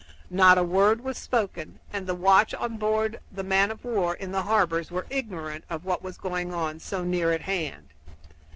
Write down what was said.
Not a word was spoken, and the watch on board the men of war in the harbor were ignorant of what was going on so near at hand.